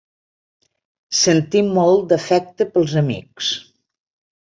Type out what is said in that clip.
Sentir molt d'afecte pels amics.